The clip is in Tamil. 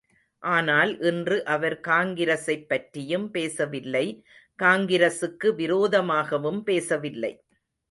ஆனால் இன்று அவர் காங்கிரசைப் பற்றியும் பேசவில்லை, காங்கிரசுக்கு விரோதமாகவும் பேசவில்லை.